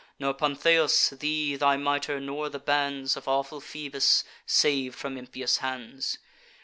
Nor, Pantheus, thee, thy mitre, nor the bands Of awful Phoebus, sav'd from impious hands.